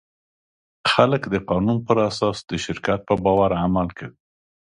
خلک د قانون پر اساس د شرکت په باور عمل کوي.